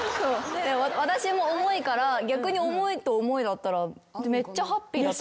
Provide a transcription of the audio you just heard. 私も重いから逆に重いと重いだったらめっちゃハッピーだと。